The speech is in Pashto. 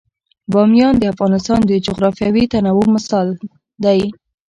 بامیان د افغانستان د جغرافیوي تنوع مثال دی.